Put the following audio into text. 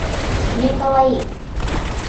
new kawaii